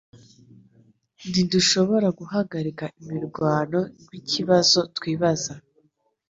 Ntidushobora guhagarika imirwano ubuikibazo twibaza